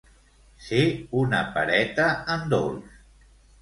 Ser una pereta en dolç.